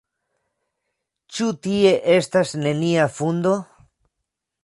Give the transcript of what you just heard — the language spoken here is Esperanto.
Ĉu tie estas nenia fundo?